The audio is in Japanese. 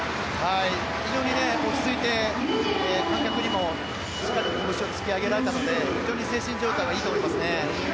非常に落ち着いて観客にもしっかりとこぶしを突き上げられたので精神状態はいいと思いますね。